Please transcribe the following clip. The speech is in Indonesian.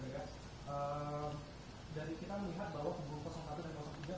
jadi kita melihat bahwa pembuatan seribu tujuh ratus satu dan pembuatan seribu tujuh ratus tiga